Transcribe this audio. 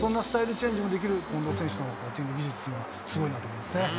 チェンジもできる、近藤選手のバッティング技術、すごいなと思いますね。